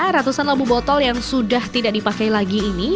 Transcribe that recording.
ratusan labu botol yang sudah tidak dipakai lagi ini